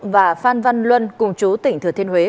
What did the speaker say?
và phan văn luân cùng chú tỉnh thừa thiên huế